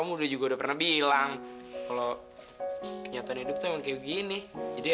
kau bisa jadi kakak yang baik pokoknya nih